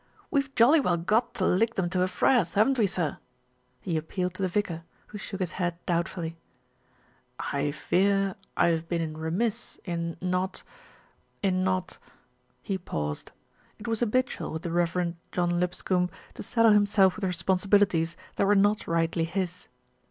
"We've jolly well got to lick them to a fraz, haven't we, sir?" he appealed to the vicar, who shook his head doubtfully. "I fear I have been remiss in not in not " He paused. It was habitual with the Rev. John Lipscombe to saddle himself with responsibilities that were not rightly his.